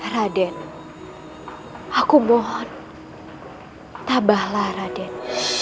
raden aku mohon tabahlah raden